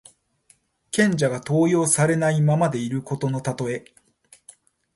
賢者が登用されないままでいることのたとえ。